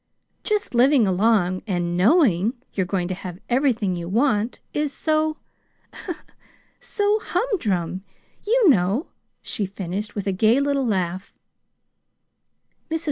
Just living along and KNOWING you're going to have everything you want is so so humdrum, you know," she finished, with a gay little laugh.